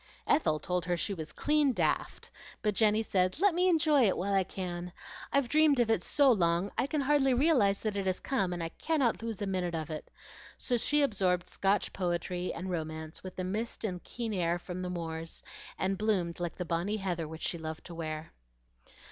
Ethel told her she was "clean daft;" but Jenny said, "Let me enjoy it while I can. I've dreamed of it so long I can hardly realize that it has come, and I cannot lose a minute of it;" so she absorbed Scotch poetry and romance with the mist and the keen air from the moors, and bloomed like the bonnie heather which she loved to wear.